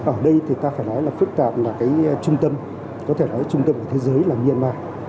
ở đây thì ta phải nói là phức tạp là cái trung tâm có thể nói trung tâm của thế giới là myanmar